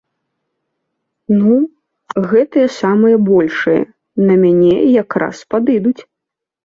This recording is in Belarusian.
Ну, гэтыя самыя большыя на мяне якраз падыдуць!